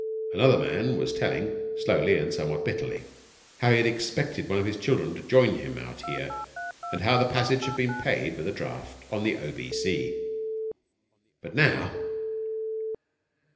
Another man was telling, slowly and somewhat bitterly, how he had expected one of his children to join him out here, and how the passage had been paid with a draft on the O.B.C. But now